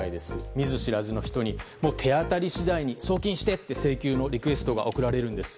見ず知らずの人に手当たり次第に送金してって請求のリクエストが送られるんです。